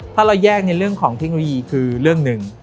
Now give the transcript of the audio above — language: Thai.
ถ้าเราแยกในเรื่องของเทคโนโลยีคือเรื่องหนึ่ง